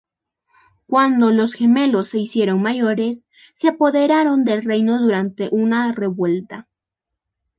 Cuando los gemelos se hicieron mayores, se apoderaron del reino durante una revuelta.